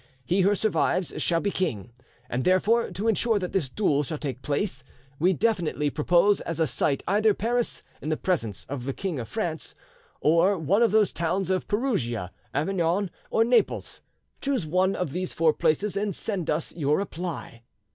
He who survives shall be king. And therefore, to ensure that this duel shall take place, we definitely propose as a site either Paris, in the presence of the King of France, or one of the towns of Perugia, Avignon, or Naples. Choose one of these four places, and send us your reply."